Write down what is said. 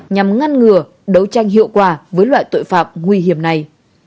nhằm ngăn ngừa đấu tranh hiệu quả với loại tội phạm nguy hiểm này